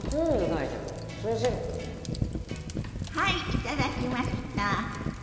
はい頂きました！